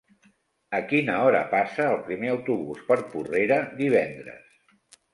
A quina hora passa el primer autobús per Porrera divendres?